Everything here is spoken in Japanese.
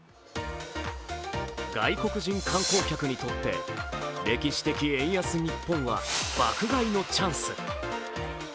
外国人観光客にとって歴史的円安ニッポンは爆買いのチャンス。